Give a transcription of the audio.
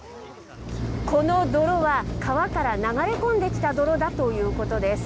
この泥は川から流れ込んできた泥だということです。